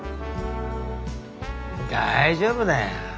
大丈夫だよ。